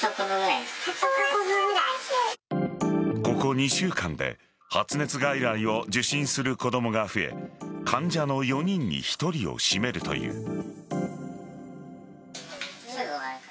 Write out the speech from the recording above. ここ２週間で発熱外来を受診する子供が増え患者の４人に１人を占めるという。